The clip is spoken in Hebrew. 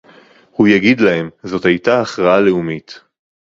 הוא יגיד להם: זאת היתה הכרעה לאומית